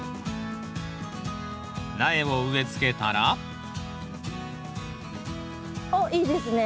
苗を植えつけたらおっいいですね。